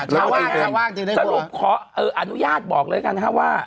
สรุปขออนุญาตบอกเลยกันค่ะว่า